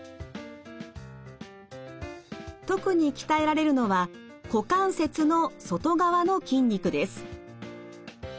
特に鍛えられるのは股関節の外側の筋肉です。